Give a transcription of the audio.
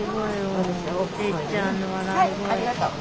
はいありがとう。